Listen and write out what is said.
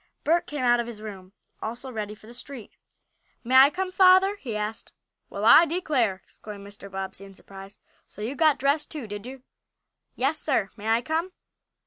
Bert came out of his room, also ready for the street. "May I come, father?" he asked. "Well, I declare!" exclaimed Mr. Bobbsey, in surprise. "So you got dressed too, did you?" "Yes, sir. May I come?"